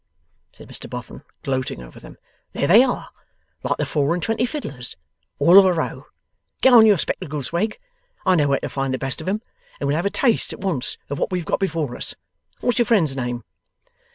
said Mr Boffin, gloating over them. 'There they are, like the four and twenty fiddlers all of a row. Get on your spectacles, Wegg; I know where to find the best of 'em, and we'll have a taste at once of what we have got before us. What's your friend's name?